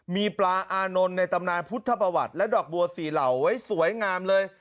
มีปลาอานนท์ในตำนานพุทธประวัติและดอกบัวสี่เหล่าไว้สวยงามเลย